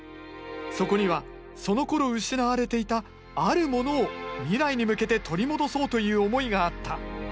そこにはそのころ失われていたあるものを未来に向けて取り戻そうという思いがあった。